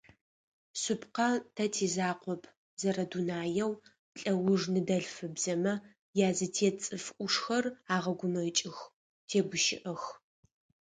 Шъыпкъэ, тэ тизакъоп, зэрэдунаеу лӏэуж ныдэлъфыбзэмэ язытет цӏыф ӏушхэр егъэгумэкӏых, тегущыӏэх.